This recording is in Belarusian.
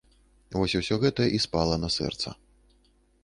Вось усё гэта і спала на сэрца.